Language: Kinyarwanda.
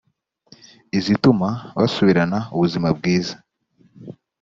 izituma basubirana ubuzima bwiza